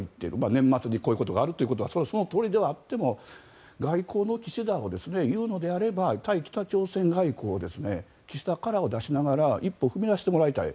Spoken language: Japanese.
年末にこういうことがあるというのは、そうであっても外交を言うのであれば対北朝鮮外交を岸田カラーを出しながら一歩踏み出してもらいたい。